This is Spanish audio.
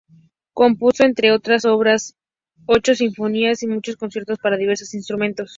Compuso, entre otras obras, ocho sinfonías y muchos conciertos para diversos instrumentos.